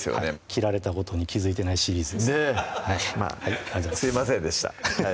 切られたことに気付いてないシリーズですねぇまぁすいませんでした